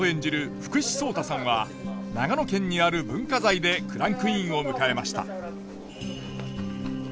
福士蒼汰さんは長野県にある文化財でクランクインを迎えました。